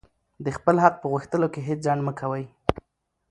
د خپل حق په غوښتلو کښي هېڅ ځنډ مه کوئ!